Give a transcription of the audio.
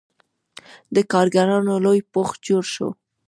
د کارګرانو لوی پوځ جوړ شو.